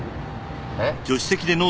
えっ？